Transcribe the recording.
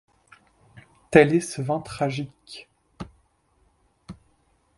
Tel est ce vin tragique.